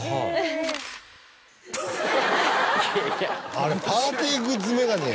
あれパーティーグッズ眼鏡やん。